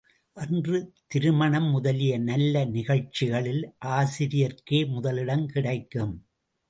அன்று திருமணம் முதலிய நல்ல நிகழ்ச்சிகளில் ஆசிரியர்க்கே முதலிடம் கிடைக்கும்.